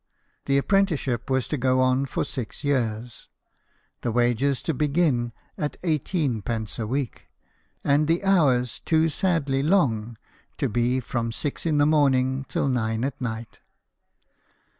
The apprenticeship was to go on for six years ; the wages to begin at eighteen pence a week ; and the hours, too sadly long, to be from six in the morning till nine at night.